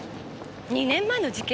２年前の事件？